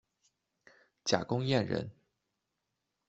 贾公彦人。